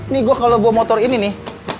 nih gue kalau bawa motor ini nih